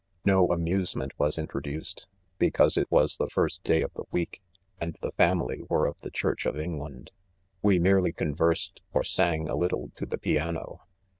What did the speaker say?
6 No amusement was introduced, because it was the first day of the week, and the family were of the church of England. We merely conversed or sang a little to the piano.